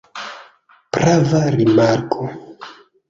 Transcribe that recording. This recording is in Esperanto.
Prava rimarko.